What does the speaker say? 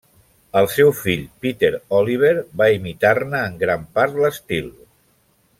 El seu fill Peter Oliver va imitar-ne en gran part l'estil.